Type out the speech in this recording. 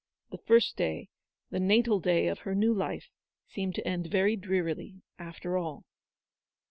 The first day, the natal day of her new life, seemed to end very drearily, after all.